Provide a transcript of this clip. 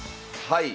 はい。